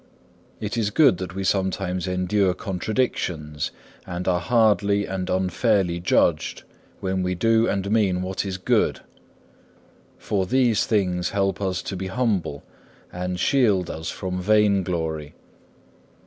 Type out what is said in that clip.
It is good that we sometimes endure contradictions, and are hardly and unfairly judged, when we do and mean what is good. For these things help us to be humble, and shield us from vain glory.